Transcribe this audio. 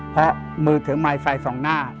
เพราะมือเถอะไมล์ไฟ๒หน้า